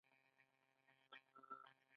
چیري چي زړه ځي، هلته پښې ځي.